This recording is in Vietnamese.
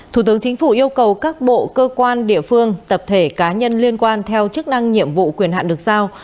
thủ tướng chính phủ yêu cầu các bộ cơ quan địa phương tập thể cá nhân liên quan theo chức năng nhiệm vụ quyền hạn được giao